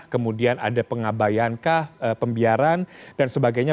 kemudian ada pengabayankah pembiaran dan sebagainya